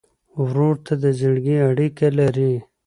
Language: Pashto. ورور ته د زړګي اړیکه لرې.